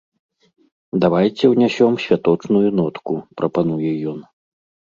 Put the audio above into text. Давайце ўнясём святочную нотку, прапануе ён.